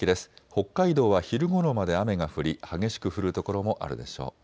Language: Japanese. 北海道は昼ごろまで雨が降り激しく降る所もあるでしょう。